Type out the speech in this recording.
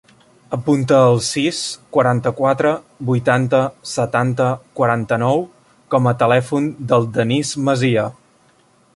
Apunta el sis, quaranta-quatre, vuitanta, setanta, quaranta-nou com a telèfon del Denís Masia.